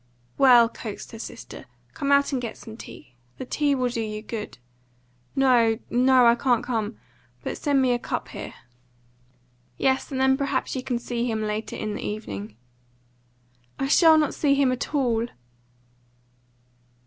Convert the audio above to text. "Well," coaxed her sister, "come out and get some tea. The tea will do you good." "No, no; I can't come. But send me a cup here." "Yes, and then perhaps you can see him later in the evening." "I shall not see him at all."